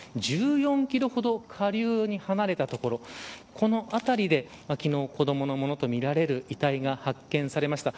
１４キロほど下流に離れた所この辺りで昨日子どものものとみられる遺体が発見されました。